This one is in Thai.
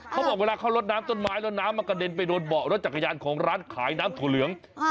เขาบอกเวลาเขาลดน้ำต้นไม้แล้วน้ำมันกระเด็นไปโดนเบาะรถจักรยานของร้านขายน้ำถั่วเหลือง